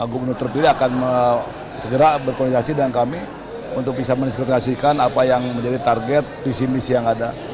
gubernur terpilih akan segera berkoordinasi dengan kami untuk bisa mendiskriminasikan apa yang menjadi target visi misi yang ada